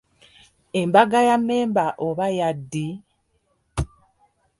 Embaga ya mmemba oba ya ddi?